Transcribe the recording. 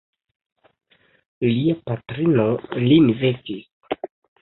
Lia patrino lin vekis.